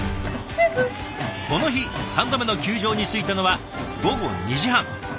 この日３度目の球場に着いたのは午後２時半。